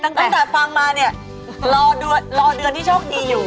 ตั้งแต่ฟังมาเนี่ยรอเดือนที่โชคดีอยู่